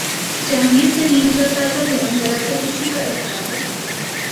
جہانگیر ترین کا تازہ بیان دراصل اسی کا اظہار ہے۔